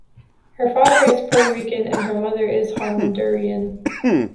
Her father is Puerto Rican and her mother is Honduran.